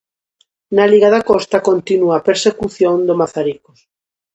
Na liga da Costa continúa a persecución do Mazaricos.